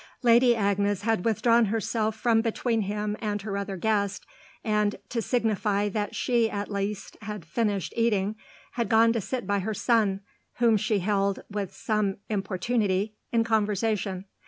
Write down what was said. Lady Agnes had withdrawn herself from between him and her other guest and, to signify that she at least had finished eating, had gone to sit by her son, whom she held, with some importunity, in conversation.